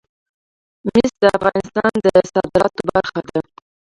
مس د افغانستان د صادراتو برخه ده.